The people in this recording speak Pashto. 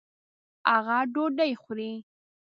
هغه ډوډۍ خوري